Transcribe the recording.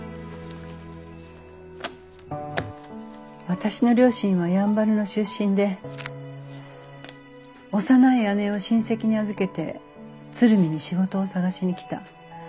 私の両親はやんばるの出身で幼い姉を親戚に預けて鶴見に仕事を探しに来た。